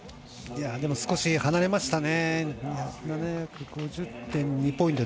でも、少し離れましたね。